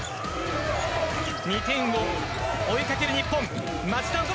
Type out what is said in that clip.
２点を追いかける日本。